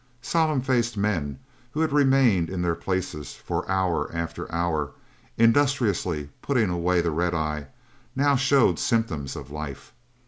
Solemn faced men who had remained in their places for hour after hour, industriously putting away the red eye, now showed symptoms of life.